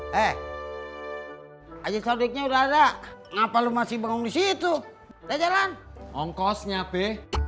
hai eh hai aja sobeknya udah ada ngapa lu masih bangun disitu jalan ongkosnya be